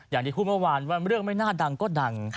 อย่างที่พูดเมื่อวานว่าเรื่องไม่น่าดังก็ดัง